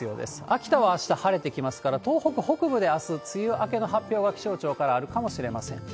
秋田はあした晴れてきますから、東北北部であす、梅雨明けの発表が気象庁からあるかもしれません。